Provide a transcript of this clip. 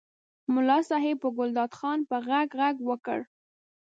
ملا صاحب په ګلداد خان په غږ غږ وکړ.